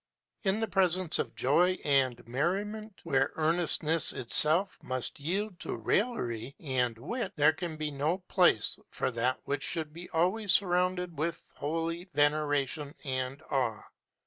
In the presence of joy and merriment, where earnestness itself must yield to raillery and wit, there can be no place for that which should be always surrounded with holy veneration and awe.